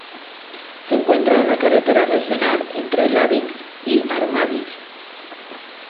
Se encuentra en la carretera regional entre Labinsk y Armavir.